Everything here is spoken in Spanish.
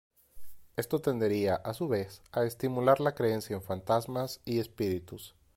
Esto tendería a su vez a estimular la creencia en fantasmas y espíritus.